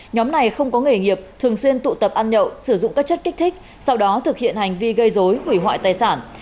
nhóm này không có nghề nghiệp thường xuyên tụ tập ăn nhậu sử dụng các chất kích thích sau đó thực hiện hành vi gây dối hủy hoại tài sản